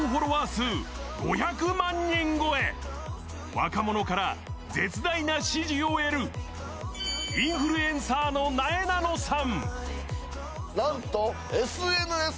若者から絶大な支持を得るインフルエンサーのなえなのさん。